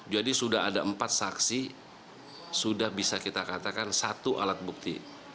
jadi sudah ada empat saksi sudah bisa kita katakan satu alat bukti